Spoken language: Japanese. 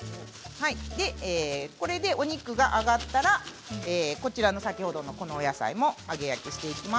これでお肉が揚がったら先ほどのこのお野菜も揚げ焼きにしていきます。